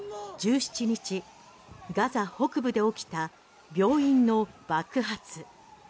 １７日ガザ北部で起きた病院の爆発。